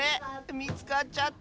みつかっちゃった！